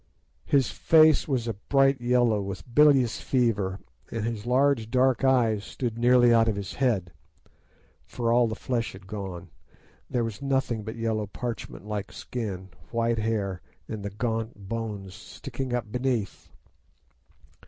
His face was a bright yellow with bilious fever, and his large dark eyes stood nearly out of his head, for all the flesh had gone. There was nothing but yellow parchment like skin, white hair, and the gaunt bones sticking up beneath.